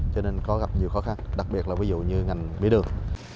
cho nên có gặp nhiều khó khăn đặc biệt là ví dụ như ngành bí đường